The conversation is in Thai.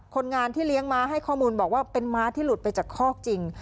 คนงานที่เลี้ยงม้าให้ข้อมูลบอกว่าเป็นม้าที่หลุดไปจากคอกจริง